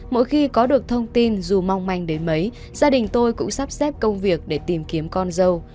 mỗi khi có được thông tin dù mong manh đến mấy gia đình tôi cũng sắp xếp công việc để tìm kiếm con dâu